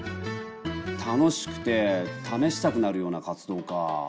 楽しくて試したくなるような活動か。